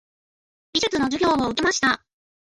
美術の授業を受けました。